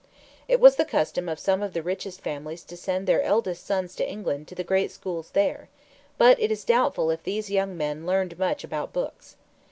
It was the custom of some of the richest families to send their eldest sons to England to the great schools there. But it is doubtful if these young men learned much about books.